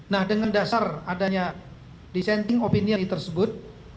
nah dengan dasar adanya dissenting opinion tersebut